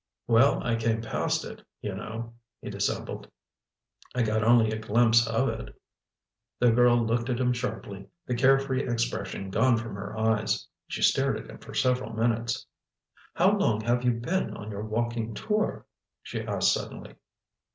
"Well, I came past it, you know," he dissembled. "I got only a glimpse of it...." The girl looked at him sharply, the carefree expression gone from her eyes. She stared at him for several minutes. "How long have you been on your walking tour?" she asked suddenly.